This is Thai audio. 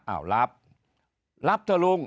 อ้าวรับรับเถอะลุง